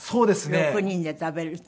６人で食べると。